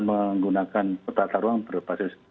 menggunakan tata ruang berbasis